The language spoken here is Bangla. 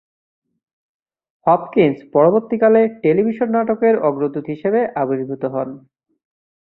হপকিন্স পরবর্তীকালে টেলিভিশন নাটকের অগ্রদূত হিসেবে আবির্ভূত হন।